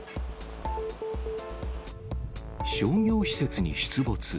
商業施設に出没。